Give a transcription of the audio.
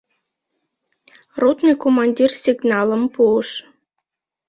Ротный командир сигналым пуыш.